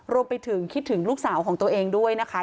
รวมไปถึงคิดถึงลูกสาวของตัวเองด้วยนะคะ